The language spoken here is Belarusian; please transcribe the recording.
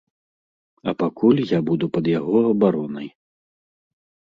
А пакуль я буду пад яго абаронай.